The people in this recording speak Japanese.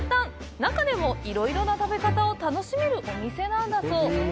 中でも、いろいろな食べ方を楽しめるお店なんだそう。